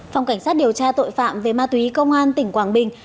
phòng cảnh sát điều tra tội phạm về ma túy công an tỉnh quảng bình